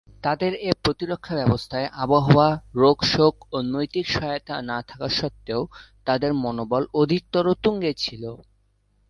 তাদের এ প্রতিরক্ষা ব্যবস্থায় আবহাওয়া, রোগ-শোক ও নৈতিক সহায়তা না থাকা স্বত্ত্বেও তাদের মনোবল অধিকতর তুঙ্গে ছিল।